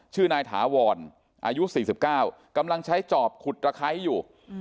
ชื่อนายถาวรอายุ๔๙กำลังใช้จอบขุดตะไคร้อยู่